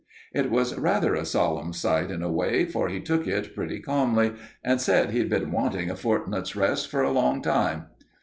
It was rather a solemn sight in a way, for he took it pretty calmly, and said he'd been wanting a fortnight's rest for a long time.